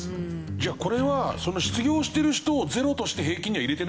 じゃあこれは失業してる人をゼロとして平均には入れてないわけですね。